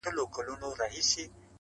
عجب راگوري د خوني سترگو څه خون راباسـي.